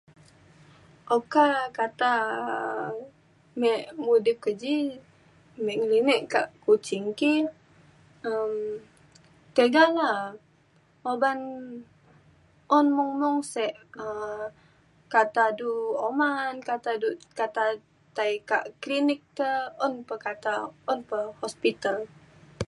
oka kata um me mudip ke ji me ngelinek ka Kuching ki um tiga la uban un mung mung sek um kata du oman kata du kata tai ka klinik ka un pa kata un pa hospital